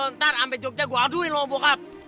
ntar sampe jogja gue aduin lo sama bokap